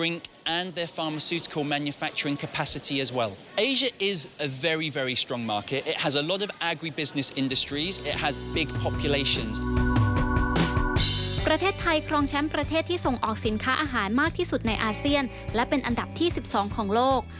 มากที่สุดในอาเซียนและเป็นอันดับที่๑๒ของโลก